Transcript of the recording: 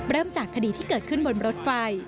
เริ่มจากคดีที่เกิดขึ้นบนรถไฟ